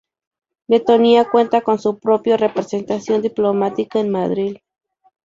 Letonia cuenta con su propia Representación Diplomática en Madrid.